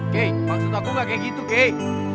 kei maksud aku gak kayak gitu kei